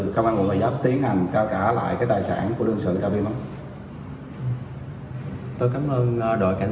công an quận người dấp tiến hành cao cả lại các tài sản của đơn sự đã bị mất tôi cảm ơn đội cảnh